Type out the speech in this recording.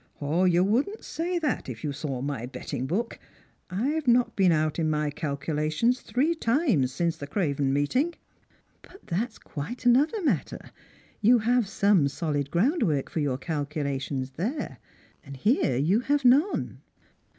" You wouldn't say tha t if you saw my betting book. I have not been out in my calculations three times since the Craven meeting." "But that is quite another matter ; you have some solid ground work for your calculations there ; and here you have none."